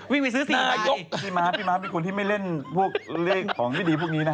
วิ่งไปซื้อ๔ไปพี่ม้ามีคนที่ไม่เล่นเรียกของวิธีพวกนี้นะฮะ